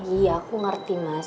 iya aku ngerti mas